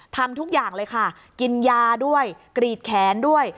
ทำทุกอย่างเลยค่ะกินยาด้วยกรีดแขนด้วย